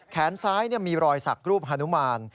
แขนซ้ายมีรอยสักรูปฮานุมาน